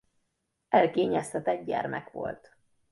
Elkényeztetett gyermek volt.